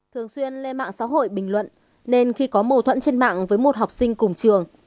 thường xuyên lên mạng xã hội bình luận nên khi có mâu thuẫn trên mạng với một học sinh cùng trường